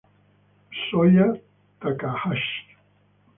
Soya Takahashi